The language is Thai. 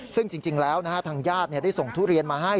ซึ่งจริงแล้วทางญาติได้ส่งทุเรียนมาให้